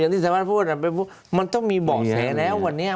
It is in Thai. ที่สามารถพูดมันต้องมีเบาะแสแล้ววันนี้